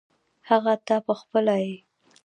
هغه ته پخپله یې .